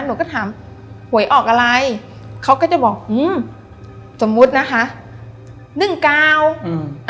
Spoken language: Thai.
หนูก็ถามหวยออกอะไรเขาก็จะบอกอืมสมมุตินะคะหนึ่งเก้าอืม